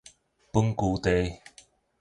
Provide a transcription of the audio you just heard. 本居地